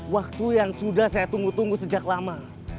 waktu yang sudah saya tunggu tunggu sejak lama